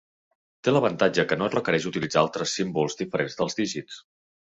Té l'avantatge que no requereix utilitzar altres símbols diferents dels dígits.